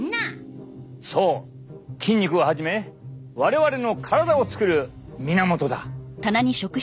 筋肉をはじめ我々の体を作る源だ。